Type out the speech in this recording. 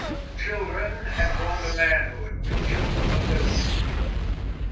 The children had grown to manhood, with children of their own.